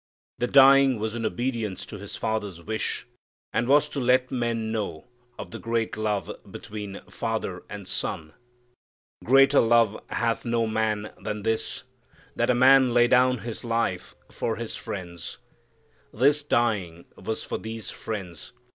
The dying was in obedience to His Father's wish, and was to let men know of the great love between Father and Son. "Greater love hath no man than this, that a man lay down his life for his friends." This dying was for these friends.